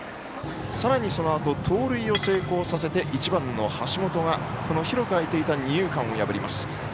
さらに、そのあと盗塁成功させて１番の橋本が広く空いていた二遊間を破ります。